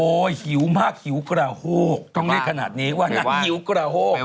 โอ้โหหิวมากหิวกระโฮกต้องเรียกขนาดนี้ว่านักหิวกระโฮก